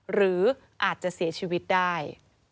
หรืออาจจะเสียชีวิตได้